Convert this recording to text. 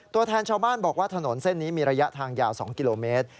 ตัวแทนชาวบ้านบอกว่าถนนเส้นนี้มีระยะทางยาว๒กิโลเมตร